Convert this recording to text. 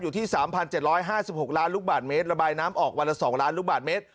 อยู่ที่๓๗๕๖ล้านลูกบาทเมตรระบายน้ำออกวันละ๒ล้านลูกบาทเมตร